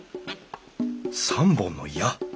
３本の矢。